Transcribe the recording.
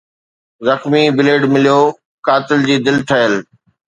زخمي بليڊ مليو قاتل جي دل ٺهيل